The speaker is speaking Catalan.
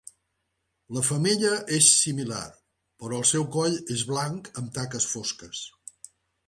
La femella és similar, però el seu coll és blanc amb taques fosques.